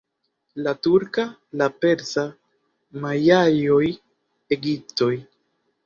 La turka, la persa, majaoj, egiptoj.